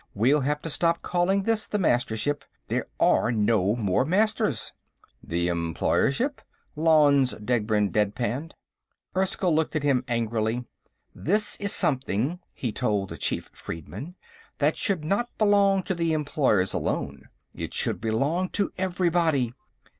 We'll have to stop calling this the Mastership. There are no more Masters." "The Employership?" Lanze Degbrend dead panned. Erskyll looked at him angrily. "This is something," he told the chief freedmen, "that should not belong to the Employers alone. It should belong to everybody.